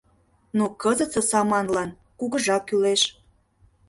Но кызытсе саманлан кугыжа кӱлеш.